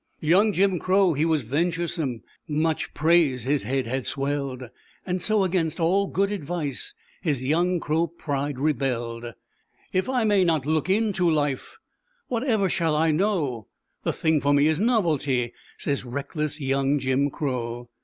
Young Jim Crow he was venturesome, Much praise his head had swelled, And so against all good advice His young Crow pride rebelled. "If I may not look into life, Whatever shall I know? The thing for me is novelty," Says reckless young Jim Crow.